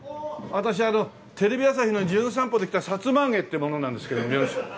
私テレビ朝日の『じゅん散歩』で来たさつま揚げって者なんですけどもよろしく。